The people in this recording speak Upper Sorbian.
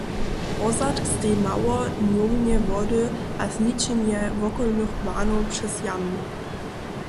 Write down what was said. Pozadk stej mało dnowneje wody a zničenje wokolnych bahnow přez jamy.